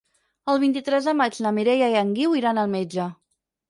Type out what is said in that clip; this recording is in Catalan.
El vint-i-tres de maig na Mireia i en Guiu iran al metge.